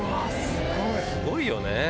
すごいよね。